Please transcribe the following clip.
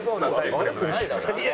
悪くないだろ。